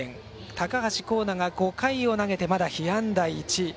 高橋光成が５回を投げてまだ被安打１。